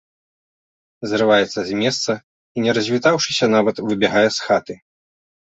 Зрываецца з месца і, не развітаўшыся нават, выбягае з хаты.